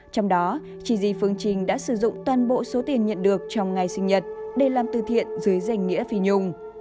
trong đó chỉ di phương trình đã sử dụng toàn bộ số tiền nhận được trong ngày sinh nhật để làm từ thiện dưới danh nghĩa phi nhung